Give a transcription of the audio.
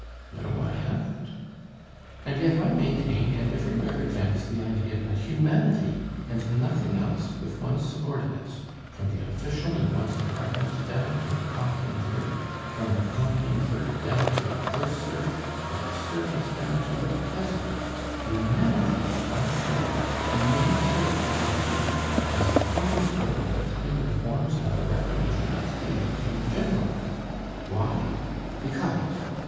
"No, I haven't." "And yet I maintain and everywhere advance the idea that humanity and nothing else with one's subordinates, from the official in one's department down to the copying clerk, from the copying clerk down to the house serf, from the servant down to the peasant humanity, I say, may serve, so to speak, as the corner stone of the coming reforms and the reformation of things in general. Why? Because.